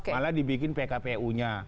malah dibikin pkpu nya